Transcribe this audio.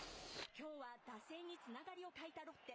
きょうは打線につながりを欠いたロッテ。